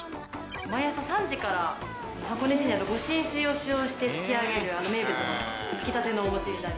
・毎朝３時から箱根神社の御神水を使用してつき上げる名物のつきたてのお餅になります。